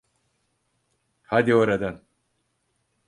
Hadi oradan.